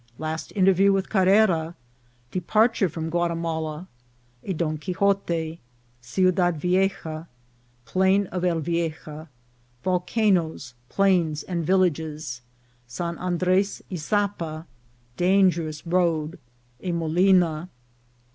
— Last Interview with Carrera, — Departure from Guati mala. — A Don Quixote. — Ciudad Vieja. — Plain of El Vieja. — Volcanoes, Plains, and Villages. — San Andres Isapa. — Dangerous Road. — A Molina.